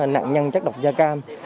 nạn nhân chất độc da cam